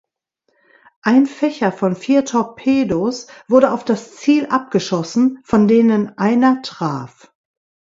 Ein Fächer von vier Torpedos wurde auf das Ziel abgeschossen, von denen einer traf.